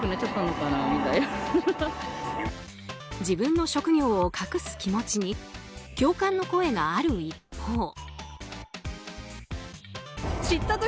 自分の職業を隠す気持ちに共感の声がある一方。